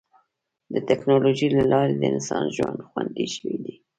د ټکنالوجۍ له لارې د انسان ژوند خوندي شوی دی.